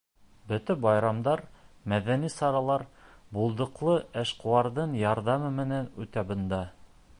Бөтә байрамдар, мәҙәни саралар булдыҡлы эшҡыуарҙың ярҙамы менән үтә бында.